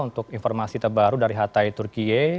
untuk informasi terbaru dari hatay turkiye